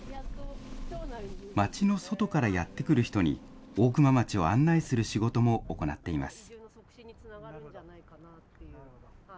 町の外からやって来る人に、大熊町を案内する仕事も行っています。